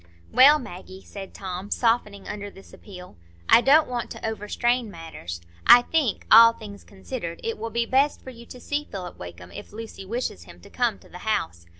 "Well, Maggie," said Tom, softening under this appeal, "I don't want to overstrain matters. I think, all things considered, it will be best for you to see Philip Wakem, if Lucy wishes him to come to the house.